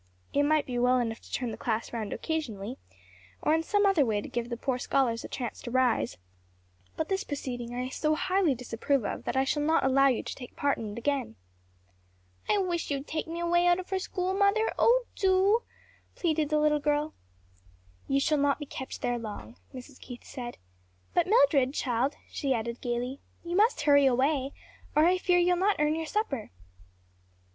It might be well enough to turn the class round occasionally, or in some other way to give the poor scholars a chance to rise; but this proceeding I so highly disapprove of that I shall not allow you to take part in it again." "I wish you'd take me away out of her school, mother, oh do," pleaded the little girl. "You shall not be kept there long," Mrs. Keith said. "But Mildred, child," she added gayly, "you must hurry away or I fear you'll not earn your supper."